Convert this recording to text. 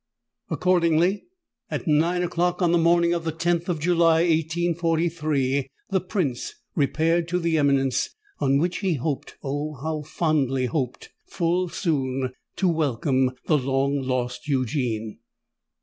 Accordingly, at nine o'clock on the morning of the 10th of July, 1843, the Prince, repaired to the eminence on which he hoped—oh! how fondly hoped—full soon to welcome the long lost Eugene.